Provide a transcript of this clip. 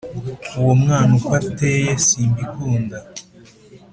Uwo mwana uko ateye simbikunda